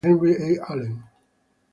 Il presidente era Henry E. Allen.